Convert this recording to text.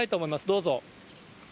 どうぞ。